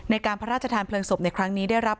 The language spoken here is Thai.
ในการพระราชทานเพลิงศพในครั้งนี้ได้รับ